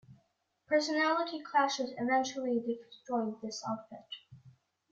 Personality clashes eventually destroyed this outfit.